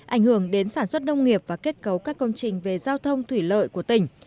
ảnh hưởng đến sản xuất nông nghiệp và kết cấu các công trình về giao thông thủy lợi của tỉnh